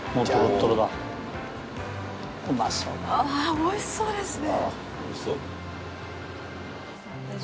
美味しそうですね。